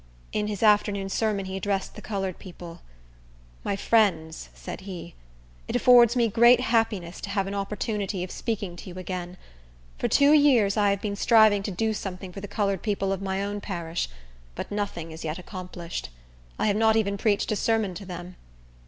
In his afternoon sermon he addressed the colored people. "My friends," said he, "it affords me great happiness to have an opportunity of speaking to you again. For two years I have been striving to do something for the colored people of my own parish; but nothing is yet accomplished. I have not even preached a sermon to them.